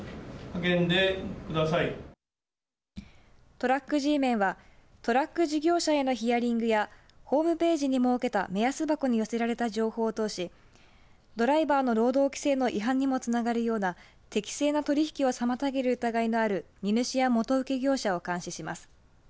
トラックＧメンはトラック事業者へのヒアリングやホームページに設けた目安箱に寄せられた情報を通しドライバーの労働規制の違反にもつながるような適正な取り引きを妨げる疑いのある荷主や元請け業者を監視します。